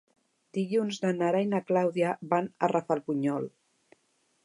Dilluns na Nara i na Clàudia van a Rafelbunyol.